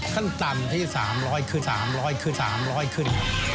ขั้นต่ำที่สามร้อยขึ้นสามร้อยขึ้นสามร้อยขึ้น